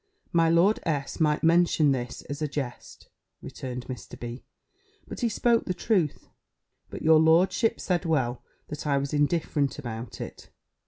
"My Lord S. might mention this as a jest," returned Mr. B., "but he spoke the truth. But your lordship said well, that I was indifferent about it.